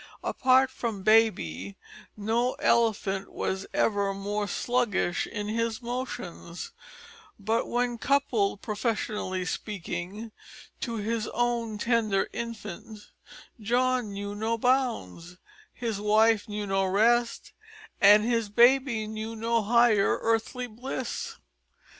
Apart from baby, no elephant was ever more sluggish in his motions; but when coupled professionally speaking to his own tender infant, John knew no bounds, his wife knew no rest and his baby knew no higher earthly bliss.